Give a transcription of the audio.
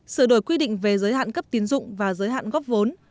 sửa đổi quy định về giới hạn cấp tiến dụng và giới hạn góp vốn